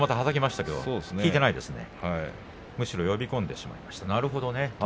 むしろ呼び込んでしまいましたなるほどね。